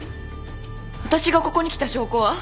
私がここに来た証拠は？